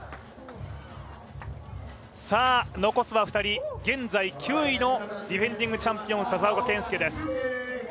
残すは２人、現在９位のディフェンディングチャンピオン笹岡建介です。